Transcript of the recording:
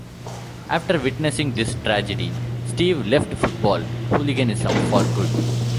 After witnessing this tragedy, Steve left football hooliganism for good.